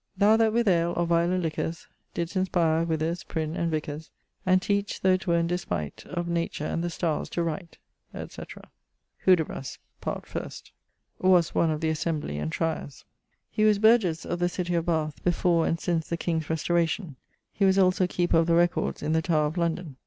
Thou that with ale, or viler liquors, Didst inspire Wythers, Prinne, and Vicars[LXV.], And teach, though it were in despight Of nature and the starres, to write, &c. Hudibras: part 1st. [LXV.] Was one of the assembly and tryers. He was burghesse of the citie of Bath, before and since the king's restauration. He was also Keeper of the Records in the Tower of London.